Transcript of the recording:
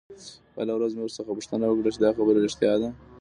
بله ورځ مې ورڅخه پوښتنه وکړه چې دا خبره رښتيا ده.